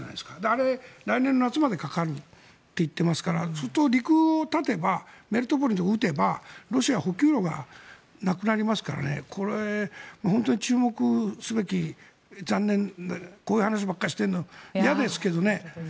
あれは来年の夏までかかるって言っていますからそうすると陸を断てばメリトポリのほうに撃てばロシアは補給路がなくなりますからこれ、本当に注目すべき残念なこういう話ばっかりしてるのは嫌ですけれどね。